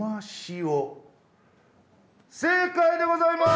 正解でございます！